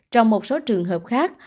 trong một số trường hợp khác